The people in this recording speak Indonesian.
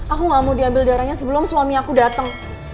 aku gak mau diambil darahnya sebelum suami aku datang